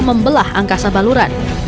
membelah angkasa baluran